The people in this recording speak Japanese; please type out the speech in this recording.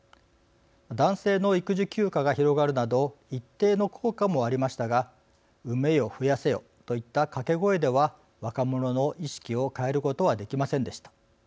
男性の育児休暇が広がるなど一定の効果もありましたが産めよ増やせよといった掛け声では若者の意識を変えることはできませんでした。